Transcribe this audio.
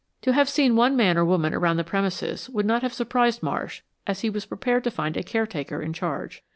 To have seen one man or woman around the premises would not have surprised Marsh, as he was prepared to find a caretaker in charge.